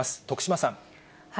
徳島さん。